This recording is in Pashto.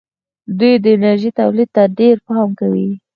دوی د انرژۍ تولید ته ډېر پام کوي.